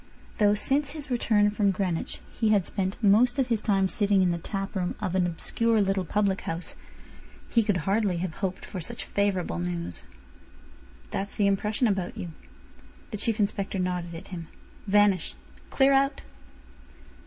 Though since his return from Greenwich he had spent most of his time sitting in the tap room of an obscure little public house, he could hardly have hoped for such favourable news. "That's the impression about you." The Chief Inspector nodded at him. "Vanish. Clear out."